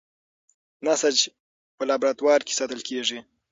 نسج په لابراتوار کې ساتل کېږي.